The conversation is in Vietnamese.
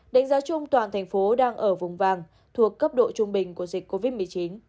đánh giá chung toàn thành phố đang ở vùng vàng thuộc cấp độ trung bình của dịch covid một mươi chín